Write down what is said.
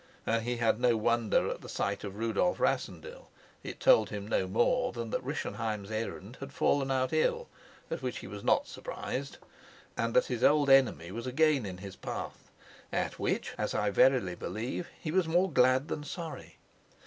And he had no wonder at the sight of Rudolf Rassendyll. It told him no more than that Rischenheim's errand had fallen out ill, at which he was not surprised, and that his old enemy was again in his path, at which (as I verily believe) he was more glad than sorry.